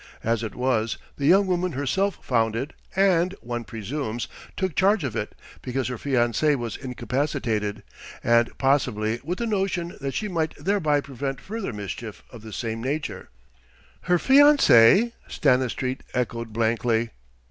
As it was, the young woman herself found it and, one presumes, took charge of it because her fiancé was incapacitated, and possibly with the notion that she might thereby prevent further mischief of the same nature." "Her fiancé?" Stanistreet echoed blankly.